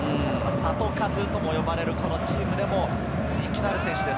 サトカズとも呼ばれるチームでも人気のある選手です。